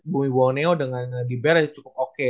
bomi boneo dengan diber cukup oke